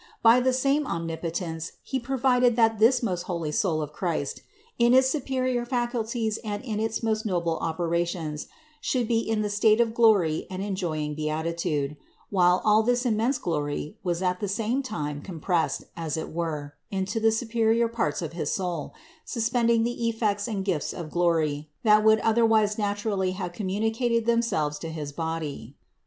By the same Omnipotence He provided that this most holy soul of Christ, in its superior faculties and in its most noble operations, should be in the state of glory and enjoying beatitude; while all this immense glory was at the same time compressed, as it were, into the superior parts of his soul, suspending the effects and gifts of glory, that would otherwise naturally have communicated them selves to his body.